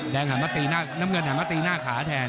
แดงหามาตีน้ำเงินหามาตีหน้าขาแทน